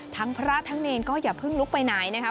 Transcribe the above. ทั้งพระราชทั้งเนรก็อย่าพึ่งลุกไปไหนนะครับ